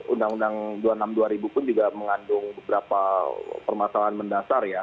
undang undang dua puluh enam dua ribu pun juga mengandung beberapa permasalahan mendasar ya